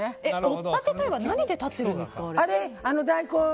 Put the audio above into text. おったて鯛は何で立ってるんですか？